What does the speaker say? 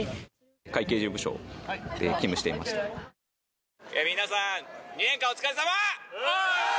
会計事務所で勤務していまし皆さん、２年間、お疲れさま。